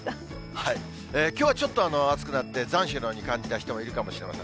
きょうはちょっと暑くなって、残暑のように感じた人もいるかもしれません。